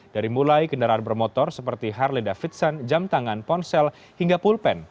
dari mulai kendaraan bermotor seperti harley davidson jam tangan ponsel hingga pulpen